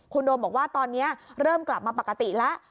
คุณโดมบอกว่าตอนนี้เริ่มกลับมาปกติแล้ว